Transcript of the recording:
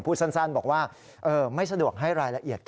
พูดสั้นบอกว่าไม่สะดวกให้รายละเอียด